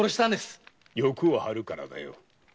⁉欲を張るからだよ。